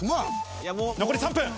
残り３分。